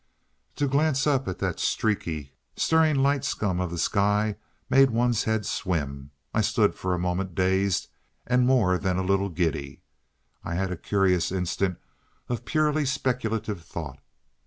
To glance up at that streaky, stirring light scum of the sky made one's head swim. I stood for a moment dazed, and more than a little giddy. I had a curious instant of purely speculative thought.